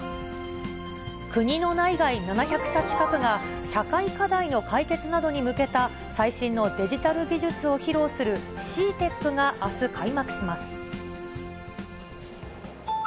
国の内外７００社近くが、社会課題の解決などに向けた、最新のデジタル技術を披露するＣＥＡＴＥＣがあす、開幕します。